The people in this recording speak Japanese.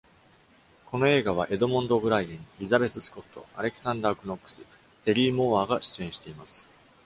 この映画は、エドモンド・オブライエン、Lizabeth Scott、Alexander Knox、Terry Moore が出演しています。